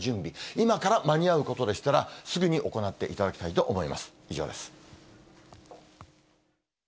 今から間に合うことでしたら、すぐに行っていただきたいと思い